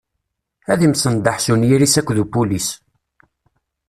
Ad imsenḍaḥ s uniyir-s akked upulis..